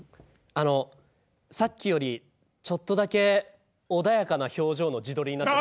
あのさっきよりちょっとだけ穏やかな表情の自撮りになってます。